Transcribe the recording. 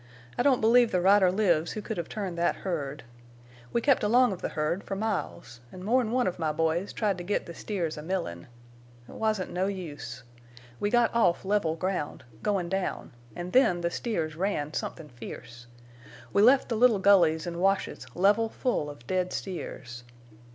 I don't believe the rider lives who could hev turned thet herd. We kept along of the herd fer miles, an' more'n one of my boys tried to get the steers a millin'. It wasn't no use. We got off level ground, goin' down, an' then the steers ran somethin' fierce. We left the little gullies an' washes level full of dead steers.